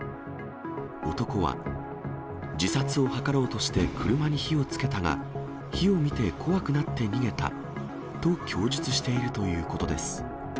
男は、自殺を図ろうとして車に火をつけたが、火を見て怖くなって逃げたと供述しているということです。